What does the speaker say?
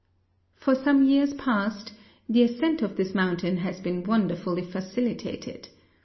For some years past the ascent of this moun¬ tain has been wonderfully facilitated.